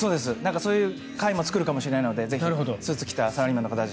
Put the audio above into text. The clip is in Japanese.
そういう回も作るかもしれないのでぜひ、スーツを着たサラリーマンの方たち